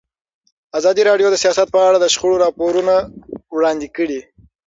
ازادي راډیو د سیاست په اړه د شخړو راپورونه وړاندې کړي.